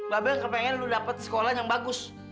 bebe kepengen lu dapet sekolah yang bagus